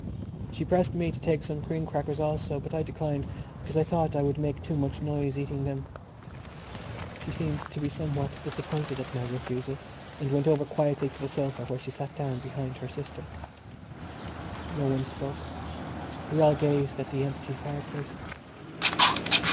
She pressed me to take some cream crackers also but I declined because I thought I would make too much noise eating them. She seemed to be somewhat disappointed at my refusal and went over quietly to the sofa where she sat down behind her sister. No one spoke: we all gazed at the empty fireplace.